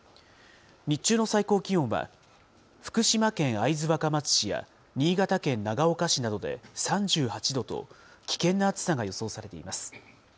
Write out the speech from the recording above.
日中の最高気温は、福島県会津若松市や新潟県長岡市などで３８度と、危険な暑さが予想されています。